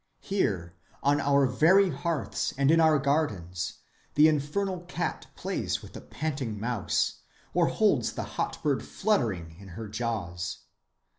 Here on our very hearths and in our gardens the infernal cat plays with the panting mouse, or holds the hot bird fluttering in her jaws.